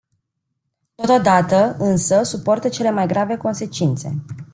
Totodată, însă, suportă cele mai grave consecințe.